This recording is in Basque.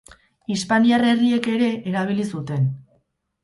Hispaniar herriek ere erabili zuten.